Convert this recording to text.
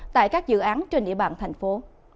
tại các dự án trên địa bàn thành phố